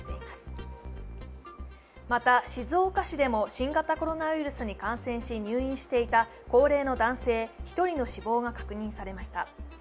また、静岡市でも新型コロナウイルスに感染し入院していた高齢の男性１人の死亡が確認されました。